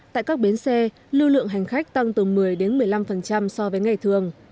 tại các bến xe lưu lượng hành khách tăng từ một mươi một mươi năm so với ngày thường